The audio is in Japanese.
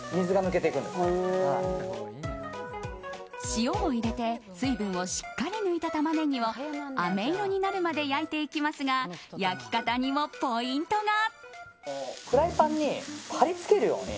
塩を入れて水分をしっかり抜いたタマネギをあめ色になるまで焼いていきますが焼き方にもポイントが。